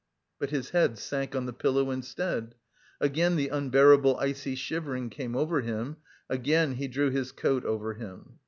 But his head sank on the pillow instead. Again the unbearable icy shivering came over him; again he drew his coat over him.